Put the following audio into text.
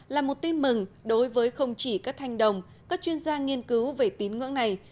là một tin mừng đối với không chỉ các thanh đồng các chuyên gia nghiên cứu về tín ngưỡng này